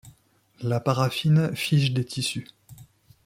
La paraffine fige des tissus.